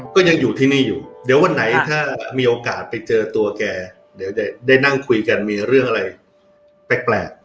ก็ยังอยู่ที่นี่อยู่เดี๋ยววันไหนถ้ามีโอกาสไปเจอตัวแกเดี๋ยวจะได้นั่งคุยกันมีเรื่องอะไรแปลก